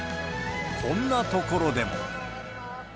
こんなところでも。